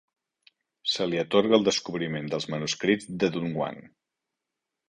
Se li atorga el descobriment dels manuscrits de Dunhuang.